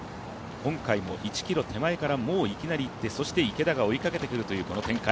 今回も１ｋｍ手前からもういきなりいって池田が追いかけてくるというこの展開。